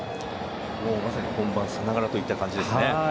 まさに本番さながらという感じですね。